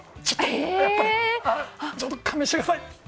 ちょっと勘弁してください。